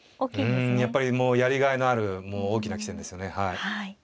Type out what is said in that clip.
うんやっぱりやりがいのある大きな棋戦ですよね。